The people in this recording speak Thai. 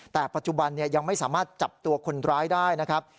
แต่ปัจจุบันยังไม่สามารถจับตัวคนร้ายได้นะครับ